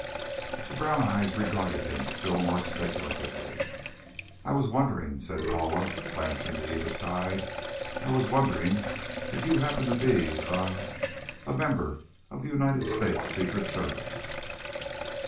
The brown eyes regarded him still more speculatively. "I was wondering " said Paula, glancing to either side, "I was wondering if you happen to be er a member of the United States Secret Service."